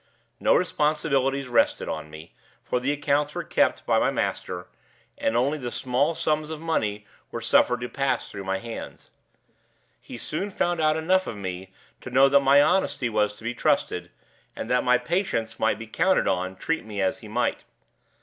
No responsibilities rested on me, for the accounts were kept by my master, and only the small sums of money were suffered to pass through my hands. He soon found out enough of me to know that my honesty was to be trusted, and that my patience might be counted on, treat me as he might.